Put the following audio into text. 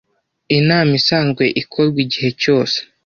inama isanzwe ikorwa igihe cyose